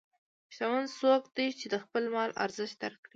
شتمن څوک دی چې د خپل مال ارزښت درک کړي.